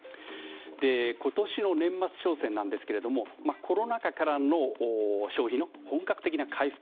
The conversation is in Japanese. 今年の年末商戦なんですけどもコロナ禍からの消費の本格的な回復